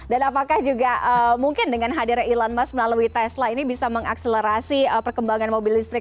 dan apakah juga mungkin dengan hadir endle learn mas melalui tesla ini bisa mengakselerasi perkembangan mobil listrik